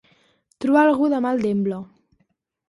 Trobar algú de mal demble.